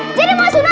eh jadi mau sunat gak